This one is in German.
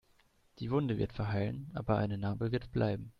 Die Wunde wird verheilen, aber eine Narbe wird bleiben.